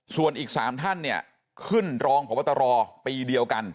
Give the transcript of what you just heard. ส่วนอีก๓ท่านเนี่ยขึ้นรองพบตรปีเดียวกัน